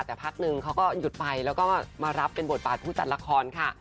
แต่พักนึงเขาก็หยุดไปแล้วก็มารับเป็นบทบาทผู้จัดละครค่ะ